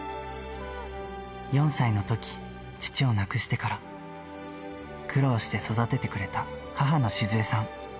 ４歳のとき、父を亡くしてから、苦労して育ててくれた母の静枝さん。